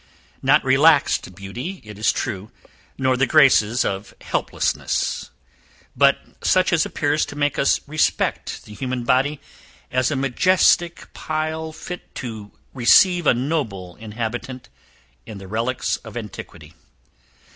Not relaxed beauty, it is true, nor the graces of helplessness; but such as appears to make us respect the human body as a majestic pile, fit to receive a noble inhabitant, in the relics of antiquity.